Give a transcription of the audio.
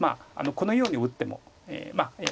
このように打ってもまあ。